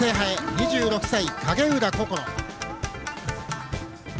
２６歳、影浦心。